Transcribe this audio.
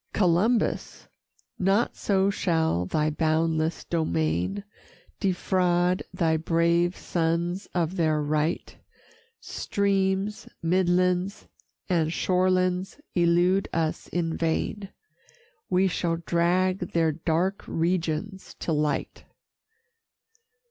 Columbus! not so shall thy boundless domain Defraud thy brave sons of their right; Streams, midlands, and shorelands elude us in vain. We shall drag their dark regions to light.